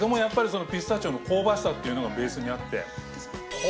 やっぱりそのピスタチオの香ばしさっていうのがベースにあって。